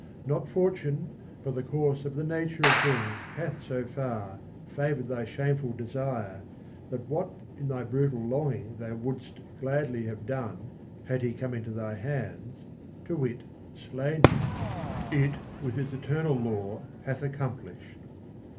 not fortune but the course of the nature of things hath so far favoured thy shameful desire that what in thy brutal longing thou wouldst gladly have done had he come into thy hands, to wit slain him, it with its eternal law hath accomplished.